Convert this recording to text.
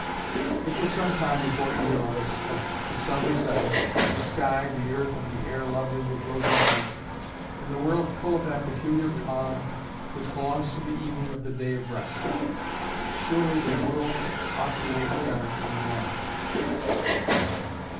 It was some time before either of us spoke. The sun was setting, the sky the earth and the air lovely with rosy light, and the world full of that peculiar calm which belongs to the evening of the day of rest. Surely the world ought to wake better on the morrow.